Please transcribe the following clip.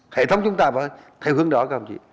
hệ thống chúng ta phải theo hướng đó các ông chí